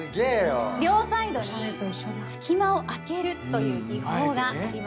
両サイドに隙間を空けるという技法があります。